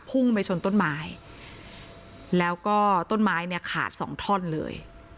พุ่งไปชนต้นไม้แล้วก็ต้นไม้เนี่ยขาดสองท่อนเลย